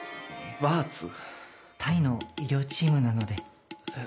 タイの医療チームなので。